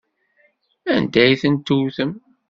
Anda ay tent-tewtem?